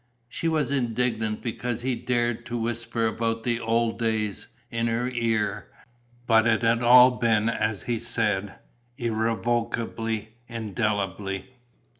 She was indignant because he dared to whisper about the old days, in her ear; but it had all been as he said, irrevocably, indelibly.